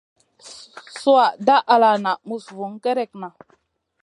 Sùha dah ala na muss vun gerekna.